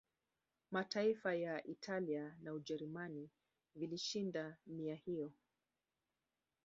Mataifa ya Italia na Ujerumani vilishinda nia hiyo